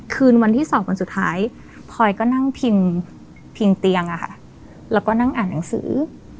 คืนวันที่๒วันสุดท้ายพลอยก็นั่งพิงพิงเตียงแล้วก็นั่งอ่านหนังสือ